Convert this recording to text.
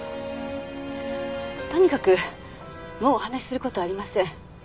とにかくもうお話しする事はありません。